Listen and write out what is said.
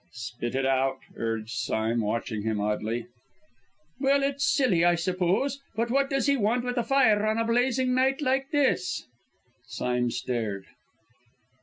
"Spit it out," urged Sime, watching him oddly. "Well, it's silly, I suppose, but what does he want with a fire on a blazing night like this?" Sime stared.